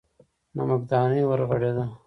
نمکدانۍ ورغړېده.